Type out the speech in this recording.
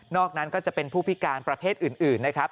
นั้นก็จะเป็นผู้พิการประเภทอื่นนะครับ